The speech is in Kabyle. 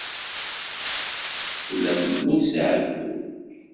Tella temmut si εeyyu.